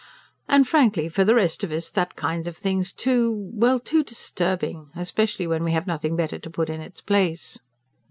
And frankly, for the rest of us, that kind of thing's too well, too disturbing. Especially when we have nothing better to put in its place."